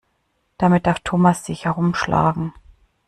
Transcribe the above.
Damit darf Thomas sich herumschlagen.